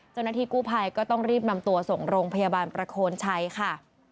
เจ้าหน้าที่กู้ภัยก็ต้องรีบนำตัวส่งโรงพยาบาลประโคนชัยค่ะ